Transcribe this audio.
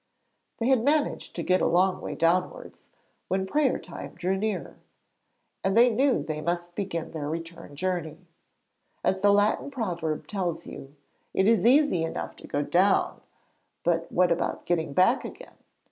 They had managed to get a long way downwards when prayer time drew near, and they knew they must begin their return journey. As the Latin proverb tells you, it is easy enough to go down, but what about getting back again?